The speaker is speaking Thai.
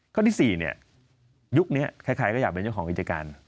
ข้อที่๔เนี่ยยุคนี้ใครก็อยากเป็นเจ้าของกิจการ